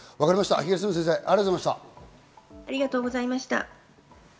東野先生、ありがとうございました。